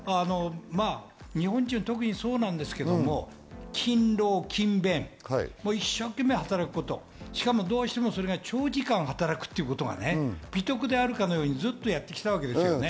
日本人は特にそうなんですけど、勤労・勤勉、一生懸命働くこと、長時間働くことが美徳かのようにずっとやってきたわけですよね。